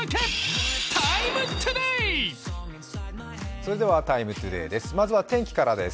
それでは「ＴＩＭＥ，ＴＯＤＡＹ」、まずは天気からです。